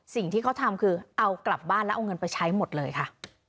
สิ่งที่เขาทำคือเอากลับบ้านแล้วเอาเงินไปใช้หมดเลยค่ะ